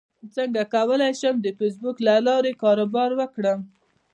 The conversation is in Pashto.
څنګه کولی شم د فېسبوک له لارې کاروبار وکړم